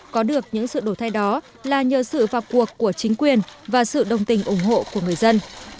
có được những sự đổi thay đó là nhờ sự vào cuộc của chính quyền và sự đồng tình ủng hộ của người dân